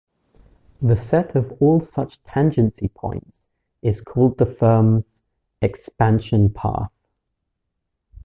The set of all such tangency points is called the firm's "expansion path".